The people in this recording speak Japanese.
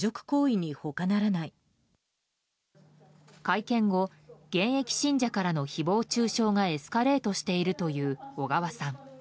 会見後現役信者からの誹謗中傷がエスカレートしているという小川さん。